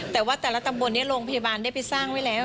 แต่ว่าแต่ละตำบลนี้โรงพยาบาลได้ไปสร้างไว้แล้ว